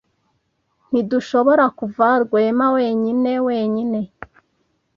Ntidushobora kuva Rwema wenyine wenyine.